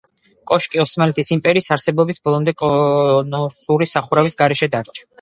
კოშკი, ოსმალეთის იმპერიის არსებობის ბოლომდე, კონუსური სახურავის გარეშე დარჩა.